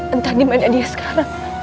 entah dimana dia sekarang